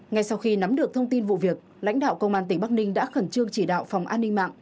ngay sau khi nắm được thông tin vụ việc lãnh đạo công an tỉnh bắc ninh đã khẩn trương chỉ đạo phòng an ninh mạng